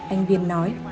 anh viên nói